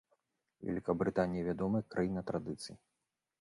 Вялікабрытанія вядомая як краіна традыцый.